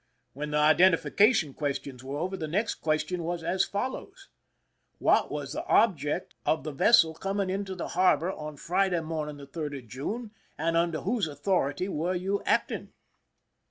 When the identification questions were over, the next question was as follows :" What was the object ot the vessel coming into the harbor on Friday morn ing, the 3d of June, and under whose authority were you acting